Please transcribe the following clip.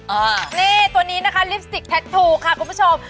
อ่านี่ตัวนี้นะคะลิปสติกแท็กทูลค่ะคุณผู้ชม